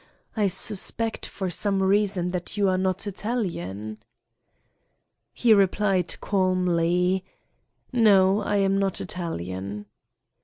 I suspect for some reason that you are not Italian?" He replied calmly: "No, I am not Italian."